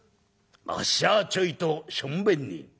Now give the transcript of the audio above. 『あっしはちょいとしょんべんに』」。